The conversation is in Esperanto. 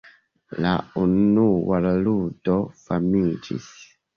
La unua ludo famiĝis.